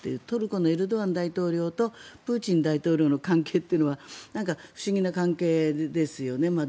トルコのエルドアン大統領とプーチン大統領の関係というのは不思議な関係ですよね。